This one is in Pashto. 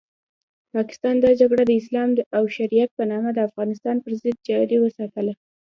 پاکستان دا جګړه د اسلام او شریعت په نامه د افغانستان پرضد جاري وساتله.